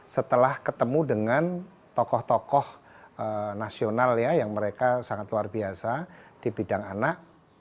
setelah ketemu dengan tokoh tokoh nasional ya yang mereka sangat luar biasa di bidang anak